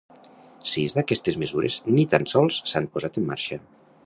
Sis d’aquestes mesures ni tan sols s’han posat en marxa.